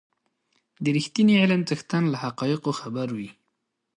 د رښتيني علم څښتن له حقایقو خبر وي.